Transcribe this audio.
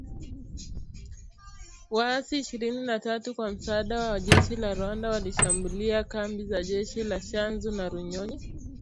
Waasi ishirini na tatu kwa msaada wa jeshi la Rwanda walishambulia kambi za jeshi la Tchanzu na Runyonyi